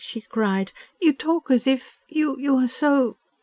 she cried, "you talk as if you are so